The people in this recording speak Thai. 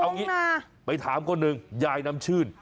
งงน่ะไปถามคนหนึ่งยายน้ำชื่น